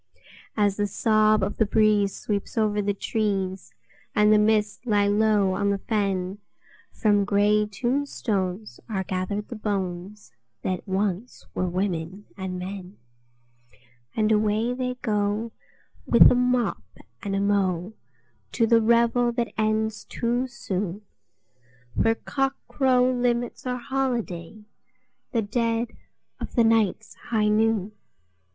As the sob of the breeze sweeps over the trees, and the mists lie low on the fen, From grey tombstones are gathered the bones that once were women and men, And away they go, with a mop and a mow, to the revel that ends too soon, For cockcrow limits our holiday—the dead of the night's high noon!